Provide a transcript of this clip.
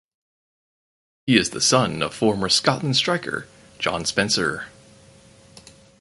He is the son of former Scotland striker John Spencer.